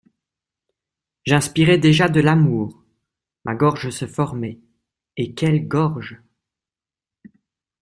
J’inspirais déjà de l’amour, ma gorge se formait, et quelle gorge!